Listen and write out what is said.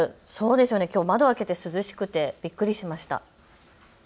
きょう窓、開けて涼しくてびっくりしました。